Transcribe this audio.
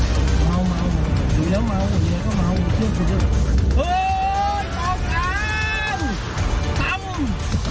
มัวมัวมัวอยู่แล้วมัวอยู่แล้วก็มัวโอ้โฮโอ้โฮโอ้โฮเรียบร้อยเรียบร้อย